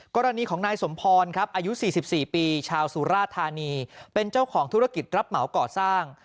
กรณีของนายสมพรครับอายุ๔๔ปีชาวสุราธานีเป็นเจ้าของธุรกิจรับเหมาก่อสร้าง